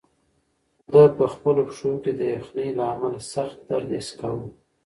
ده په خپلو پښو کې د یخنۍ له امله سخت درد حس کاوه.